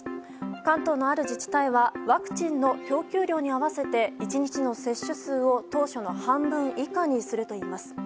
関東のある自治体はワクチンの供給量に合わせて１日の接種数を当初の半分以下にするといいます。